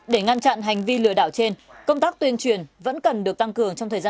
để ngăn chặn hành vi lừa đảo trên công tác tuyên truyền vẫn cần được tăng cường